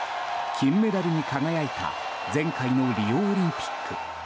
金メダルに輝いた前回のリオオリンピック。